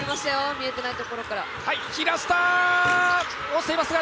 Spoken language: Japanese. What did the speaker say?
見えてないところから。